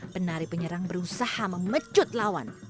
penari penyerang berusaha memecut lawan